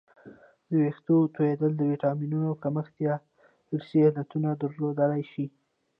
د وېښتانو تویدل د ویټامینونو کمښت یا ارثي علتونه درلودلی شي